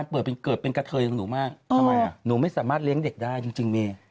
เราไม่สามารถเลี้ยงเด็กได้จริงมี